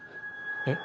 えっ？